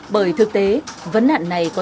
bởi thực tế vấn nạn này có tính chất